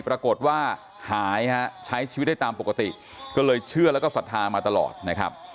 ปรากฏว่าหายฮะใช้ชีวิตได้ตามปกติก็เลยเชื่อแล้วก็ศรัทธามาตลอดนะครับ